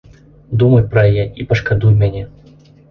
Думай пра яе i пашкадуй мяне.